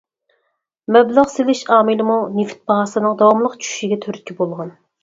مەبلەغ سېلىش ئامىلىمۇ نېفىت باھاسىنىڭ داۋاملىق چۈشۈشىگە تۈرتكە بولغان.